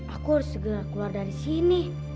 aku harus segera keluar dari sini